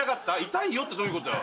「痛いよ」ってどういうことだよ？